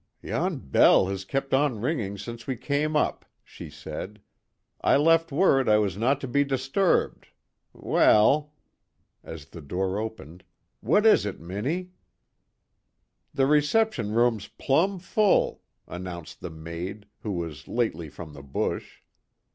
"Yon bell has kept on ringing since we came up," she said. "I left word I was no to be disturbed. Weel" as the door opened "what is it, Minnie?" "The reception room's plumb full," announced the maid, who was lately from the bush.